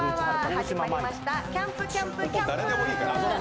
始まりました『キャンプキャンプキャンプ』！